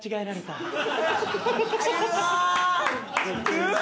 うわ！